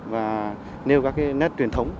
và nêu các nét truyền thống